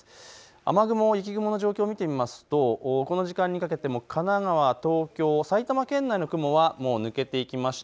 雨雲、雪雲の状況を見てみますとこの時間にかけても神奈川、東京、埼玉県内の雲はもう抜けていきました。